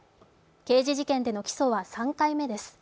刑事事件での起訴は３回目です。